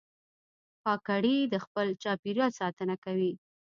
کاکړي د خپل چاپېریال ساتنه کوي.